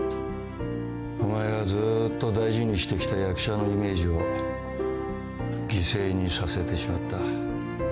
お前がずーっと大事にしてきた役者のイメージを犠牲にさせてしまった。